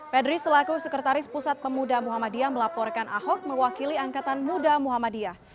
pedri selaku sekretaris pusat pemuda muhammadiyah melaporkan ahok mewakili angkatan muda muhammadiyah